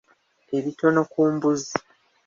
Ebitono ku mbuzi.